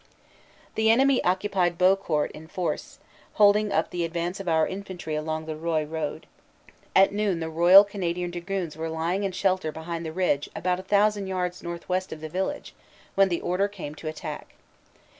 The enemy occupied Beaucourt in force, holding up the advance of our infantry along the Roye road. At noon the R.C.D s were lying in shelter behind the ridge about a thou sand yards northwest of the village when the order came to attack.